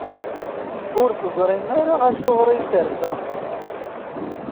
Ur teẓrim ara Acuɣer ay terfa?